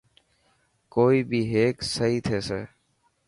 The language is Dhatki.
ڪوئي بي هيڪ سهي ٿيسي.